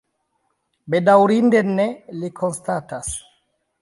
Bedaŭrinde ne, li konstatas.